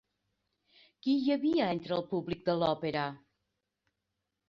Qui hi havia entre el públic de l'òpera?